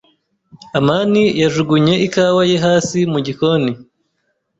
amani yajugunye ikawa ye hasi mu gikoni.